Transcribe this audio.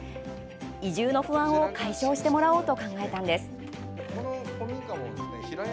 移住の不安を解消してもらおうと考えたのです。